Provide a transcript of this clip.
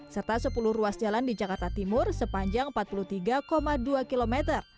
serta sepuluh ruas jalan di jakarta timur sepanjang empat puluh tiga dua km